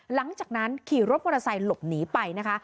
หลังจากนั้นขี่รถมอเตอร์ไซค์หลบหนีไปนะคะ